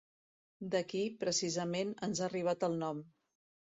D'aquí, precisament, ens ha arribat el nom.